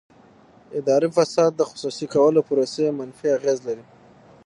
اداري فساد د خصوصي کولو پروسې منفي اغېز لري.